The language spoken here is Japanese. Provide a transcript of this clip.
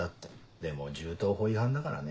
でも銃刀法違反だからね。